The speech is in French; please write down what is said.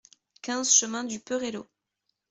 quinze chemin du Perello